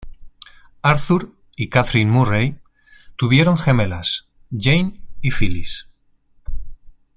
Arthur y Kathryn Murray tuvieron gemelas, Jane y Phyllis.